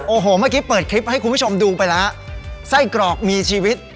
โอ้โหเมื่อกี้เปิดคลิปให้คุณผู้ชมดูไปแล้วไส้กรอกมีชีวิต